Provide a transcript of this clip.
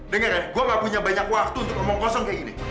dengar ya gue gak punya banyak waktu untuk ngomong kosong kayak gini